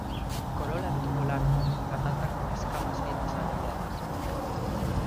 Corola en tubo largo, garganta con escamas bien desarrolladas.